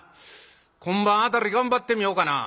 今晩辺り頑張ってみようかな。